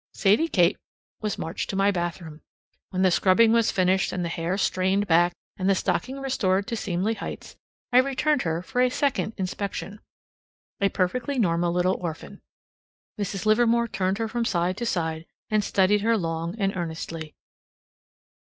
Sadie Kate was marched to my bathroom. When the scrubbing was finished and the hair strained back and the stocking restored to seemly heights, I returned her for a second inspection a perfectly normal little orphan. Mrs. Livermore turned her from side to side, and studied her long and earnestly.